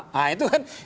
nah itu kan